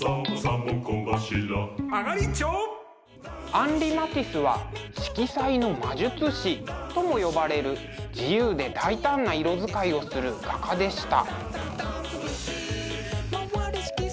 アンリ・マティスは「色彩の魔術師」とも呼ばれる自由で大胆な色使いをする画家でした。